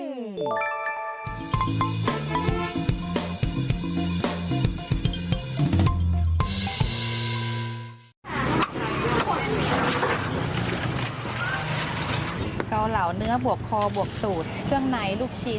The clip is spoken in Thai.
เกาเหลาเนื้อบวกคอบวกตูดเครื่องในลูกชิ้น